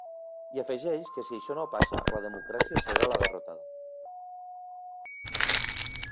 I afegeix que si això no passa, la democràcia serà la derrotada.